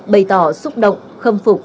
bày tỏ xúc động khâm phục